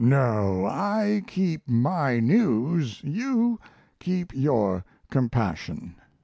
No, I keep my news; you keep your compassion.